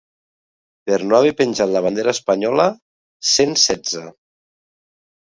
Per no haver penjat la bandera espanyola, cent setze.